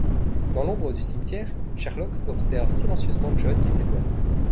Dans l'ombre du cimetière, Sherlock observe silencieusement John qui s'éloigne.